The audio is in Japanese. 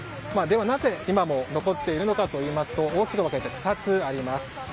では、なぜ今も残っているのかといいますと大きく分けて２つあります。